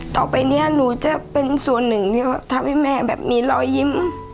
ต่อไปนี้หนูจะเป็นส่วนหนึ่งที่ทำให้แม่แบบมีรอยยิ้ม